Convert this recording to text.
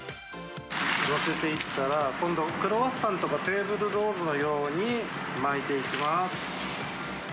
載せていったら、今度、クロワッサンとかテーブルロールのように巻いていきます。